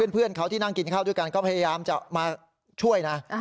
เพื่อนเขาที่นั่งกินข้าวด้วยกันก็พยายามจะมาช่วยนะ